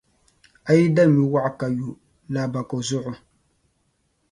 A yi da nyuwɔɣu ka yo, laabako zuɣu.